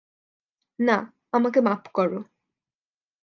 না, আমাকে মাপ করো।